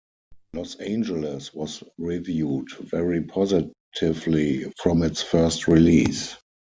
"Los Angeles" was reviewed very positively from its first release.